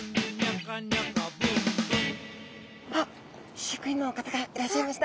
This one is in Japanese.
あっ飼育員の方がいらっしゃいました。